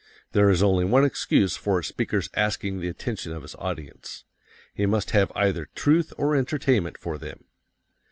There is only one excuse for a speaker's asking the attention of his audience: He must have either truth or entertainment for them.